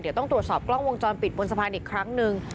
เดี๋ยวต้องตรวจสอบกล้องวงจรปิดบนสะพานอีกครั้งหนึ่ง